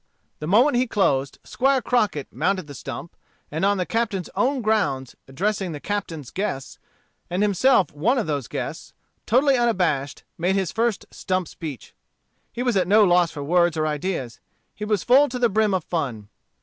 The moment he closed, Squire Crockett mounted the stump, and on the Captain's own grounds, addressing the Captain's guests, and himself one of those guests, totally unabashed, made his first stump speech. He was at no loss for words or ideas. He was full to the brim of fun.